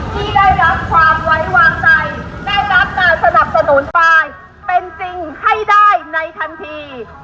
ที่ได้รับความไว้วางใจได้รับการสนับสนุนฝ่ายเป็นจริงให้ได้ในทันที